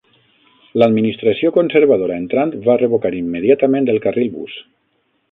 L'administració conservadora entrant va revocar immediatament el carril bus.